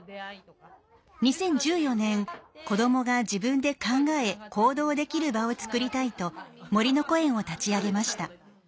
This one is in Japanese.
２０１４年子どもが自分で考え行動できる場を作りたいともりのこえんを立ち上げました。